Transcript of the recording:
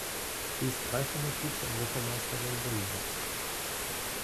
Sie ist dreifache Vizeeuropameisterin der Jugend.